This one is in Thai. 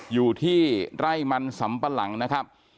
อยู่ที่ไร่มันสำปะหลังนะครับ